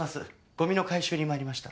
ゴミの回収に参りました。